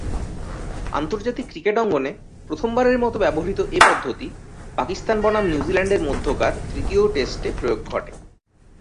আন্তর্জাতিক ক্রিকেট অঙ্গনে প্রথমবারের মতো ব্যবহৃত এ পদ্ধতি পাকিস্তান বনাম নিউজিল্যান্ডের মধ্যকার তৃতীয় টেস্টে প্রয়োগ ঘটে।